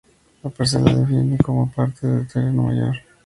La parcela se define como una parte de un terreno mayor.